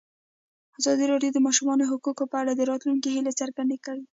ازادي راډیو د د ماشومانو حقونه په اړه د راتلونکي هیلې څرګندې کړې.